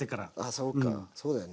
あそうかそうだよね。